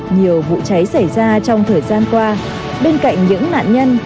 nhiều vụ cháy xảy ra trong thời gian qua bên cạnh những nạn nhân